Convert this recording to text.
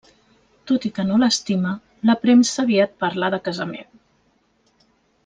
Tot i que no l'estima, la premsa aviat parla de casament.